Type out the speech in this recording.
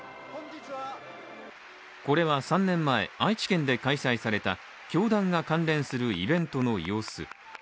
これは３年前、愛知県で開催された教団が関連するイベントの様子。